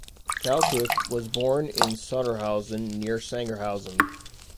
Kalkreuth was born in Sotterhausen near Sangerhausen.